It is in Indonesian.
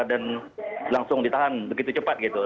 dan langsung ditahan begitu cepat gitu